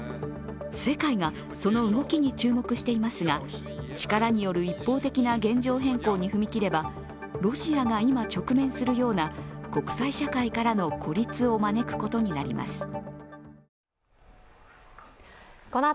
世界がその動きに注目していますが、力による一方的な現状変更に踏み切ればロシアが今直面するような国際社会からの孤立を招くことになります。